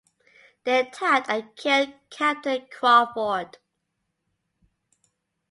They attacked and killed Captain Crawford.